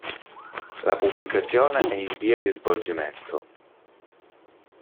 La pubblicazione è in via di svolgimento.